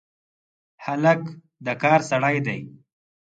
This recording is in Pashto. هلک د کار سړی دی.